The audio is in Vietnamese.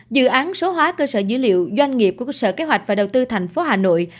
dự án số hóa cơ sở dữ liệu doanh nghiệp của sở kế hoạch và đầu tư thành phố hà nội